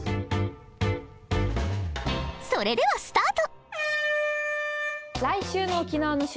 それではスタート！